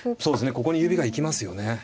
ここに指が行きますよね。